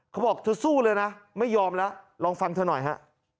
เขาบอกเธอสู้เลยนะไม่ยอมแล้วลองฟังเธอหน่อยฮะ